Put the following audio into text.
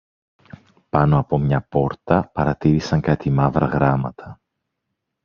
Πάνω από μια πόρτα παρατήρησαν κάτι μαύρα γράμματα.